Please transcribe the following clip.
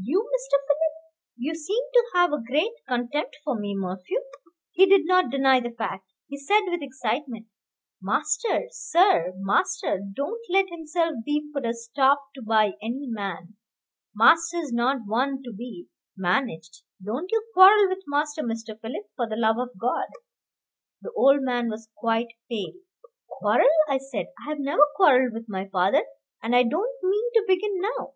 "You, Mr. Philip!" "You seem to have a great contempt for me, Morphew." He did not deny the fact. He said with excitement, "Master, sir, master don't let himself be put a stop to by any man. Master's not one to be managed. Don't you quarrel with master, Mr. Philip, for the love of God." The old man was quite pale. "Quarrel!" I said. "I have never quarrelled with my father, and I don't mean to begin now."